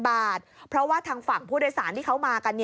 เพราะว่าทางฝั่งผู้โดยสารที่เขามากัน